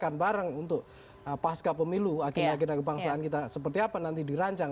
kita akan bareng untuk pasca pemilu agenda agenda kebangsaan kita seperti apa nanti dirancang